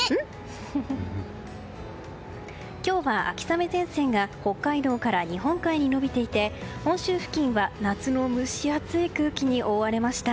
今日は秋雨前線が北海道から日本海に延びていて本州付近は夏の蒸し暑い空気に覆われました。